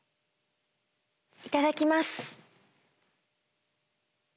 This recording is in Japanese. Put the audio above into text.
いただきます。